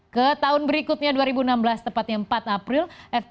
ke tahun berikutnya dua ribu enam belas tepatnya empat april